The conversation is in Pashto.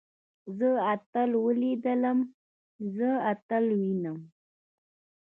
زه اتل وليدلم. زه اتل وينم.